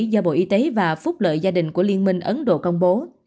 do bộ y tế và phúc lợi gia đình của liên minh ấn độ công bố